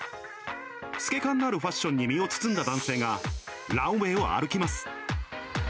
透け感のあるファッションに身を包んだ男性が、ランウエーを歩きます。